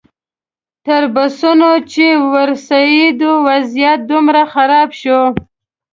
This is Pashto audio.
تر بسونو چې ورسېدو وضعیت دومره خراب شو.